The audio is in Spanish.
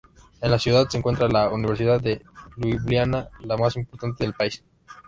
En la ciudad se encuentra la universidad de Liubliana, la más importante del país.